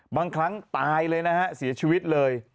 บางครั้งตายเลยนะฮะเสียชีวิตเลย